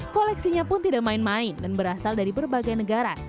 koleksinya pun tidak main main dan berasal dari berbagai negara